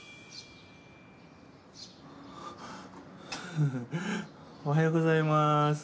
ハハッおはようございまーす。